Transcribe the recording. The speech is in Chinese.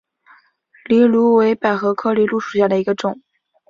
藜芦为百合科藜芦属下的一个种。